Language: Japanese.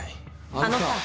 あのさ。